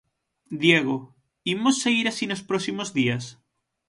Diego, imos seguir así nos próximos días?